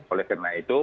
oleh karena itu